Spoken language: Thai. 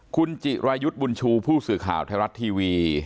คุณจิรายุทธ์บุญชูผู้สื่อข่าวไทยรัฐทีวี